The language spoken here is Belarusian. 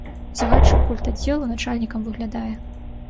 Загадчык культаддзелу начальнікам выглядае.